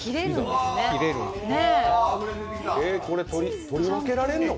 これ、取り分けられるの？